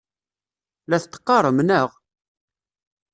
La t-teqqarem, naɣ?